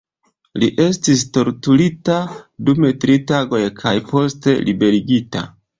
Li estis torturita dum tri tagoj kaj poste liberigita.